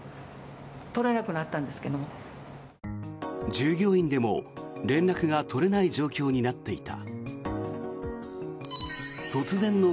従業員でも連絡が取れない状況になっていた。